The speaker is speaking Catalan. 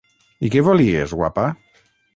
I què volies, guapa?